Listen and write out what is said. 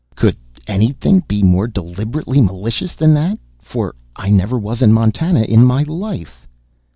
Could anything be more deliberately malicious than that? For I never was in Montana in my life.